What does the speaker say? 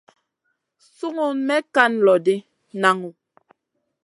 Sungu may kan loʼ ɗi, naŋu.